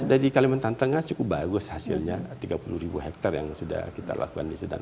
sudah di kalimantan tengah cukup bagus hasilnya tiga puluh ribu hektare yang sudah kita lakukan di sedangkan